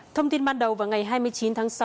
thông tin ban đầu vào ngày hai mươi chín tháng sáu